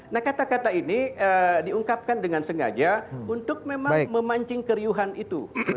nah kata kata ini diungkapkan dengan sengaja untuk memang memancing keriuhan itu